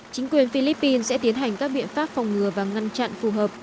chính quyền philippines sẽ tiến hành các biện pháp phòng ngừa và ngăn chặn phù hợp